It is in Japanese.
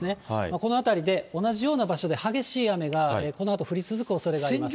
この辺りで同じような場所で激しい雨が、このあと降り続くおそれがあります。